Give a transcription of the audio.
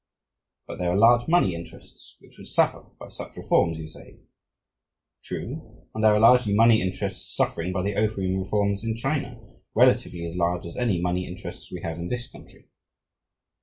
But there are large money interests which would suffer by such reforms, you say? True; and there are large money interests suffering by the opium reforms in China, relatively as large as any money interests we have in this country.